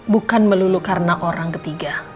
bukan melulu karena orang ketiga